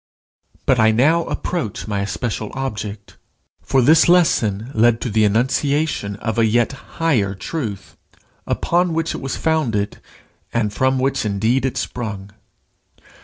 But I now approach my especial object; for this lesson led to the enunciation of a yet higher truth, upon which it was founded, and from which indeed it sprung.